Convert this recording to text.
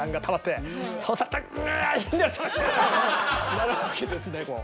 なるわけですねこう。